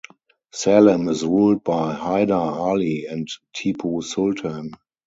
Salem is ruled by Hyder Ali and Tipu Sultan.